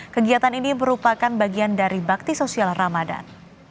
kegiatan ini merupakan bagian dari bakti sosial ramadan